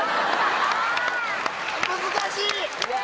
難しい！